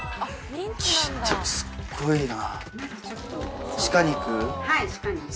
すごいな！